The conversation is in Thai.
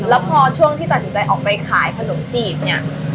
แล้วพอช่วงที่ตัดสินใจออกไปขายขนมจีบเนี่ย